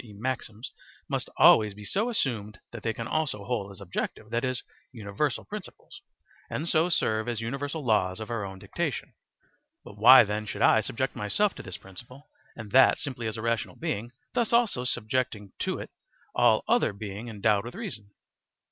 e., maxims, must always be so assumed that they can also hold as objective, that is, universal principles, and so serve as universal laws of our own dictation. But why then should I subject myself to this principle and that simply as a rational being, thus also subjecting to it all other being endowed with reason?